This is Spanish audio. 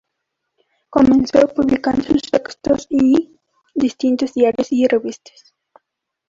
Comenzó publicando sus textos en distintos diarios y revistas.